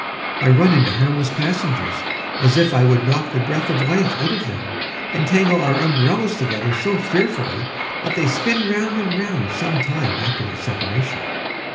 I run into harmless passengers as if I would knock the breath of life out of them, and tangle our umbrellas together so fearfully that they spin round and round some time after their separation.